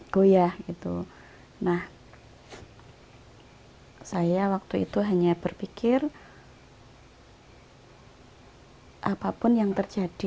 goyah gitu nah saya waktu itu hanya berpikir hai apapun yang terjadi